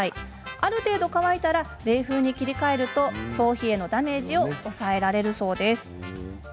ある程度乾いたら冷風に切り替えると頭皮へのダメージを抑えられるそうです。